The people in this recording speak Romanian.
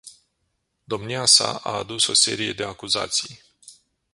Domnia sa a adus o serie de acuzații.